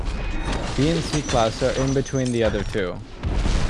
B and C-Class are in between the other two.